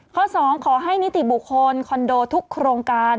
ข้อ๒ขอให้นิติบุคคลคอนโดทุกโครงการ